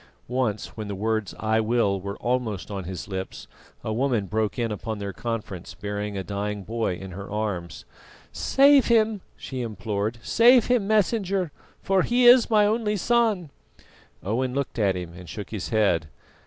Once, when the words "I will" were almost on his lips, a woman broke in upon their conference bearing a dying boy in her arms. "Save him," she implored, "save him, Messenger, for he is my only son!" Owen looked at him and shook his head.